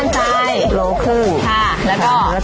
ในหัวกะทิแล้วในแป้งเราฟูมลดยังไงค่ะแม่